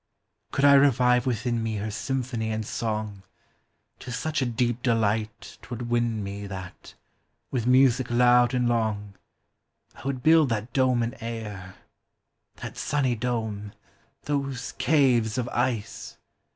Could I revive within me Her symphony and song, To such a deep delight 't would win me That, with music loud and long, I would build that dome in air, — That sunny dome ! those caves of ice